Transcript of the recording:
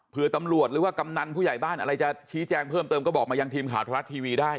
เพื่อตำรวจหรือว่ากำนันผู้ใหญ่บ้านอะไรจะชี้แจงเพิ่มเติมก็บอกมายังทีมข่าวธรรมรัฐทีวีได้